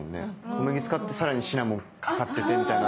小麦使ってさらにシナモンかかっててみたいな。